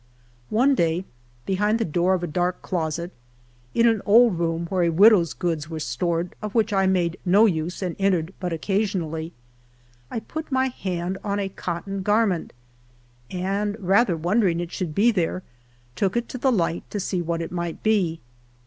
One day, behind the door of a dark closet, in an old room where a widow's goods were stored, of which I made no use and entered but occasionally, I put my hand on a cotton garment, and rather wondering it should be there, took it to the light to see what it might be.